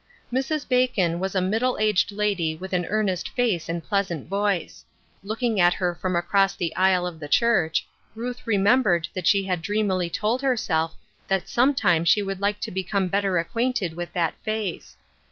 Mrs. Bacon was a middle aged lady with an ear nest face and pleasant voice. Looking at her from across the aisle of the church, Ruth remembered COMING TO AN UNDERSTANDING. I 19 that she had dreamily told herself that sometime she would like to become better acquainted with that face.